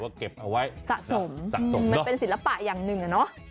มันเป็นศิลปะอย่างหนึ่ง